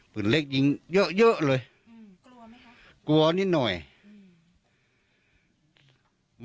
ปืนเล็กยิงเยอะเยอะเลยอืมกลัวไหมคะกลัวนิดหน่อยอืม